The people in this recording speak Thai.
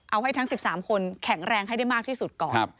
เอาให้ทั้ง๑๓คนแข็งแรงให้ได้มากที่สุดก่อน